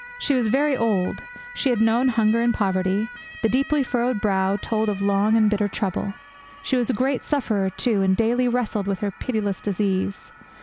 She was very old; she had known hunger and poverty; the deeply furrowed brow told of long and bitter trouble. She was a great sufferer, too, and daily wrestled with her pitiless disease.